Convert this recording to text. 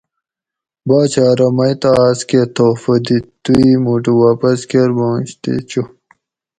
باچہ ارو مئ تہۤ آۤس کہ تحفہ دِت تو ای مُٹو واپس کۤر باںش تے چو